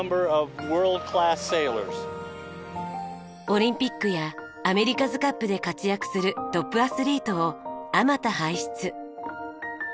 オリンピックやアメリカズカップで活躍するトップアスリートをあまた輩出。